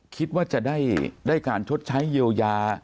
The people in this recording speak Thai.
คิดว่าจะได้การชดใช้เยียวยา